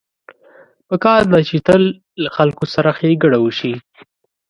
پکار ده چې تل له خلکو سره ښېګڼه وشي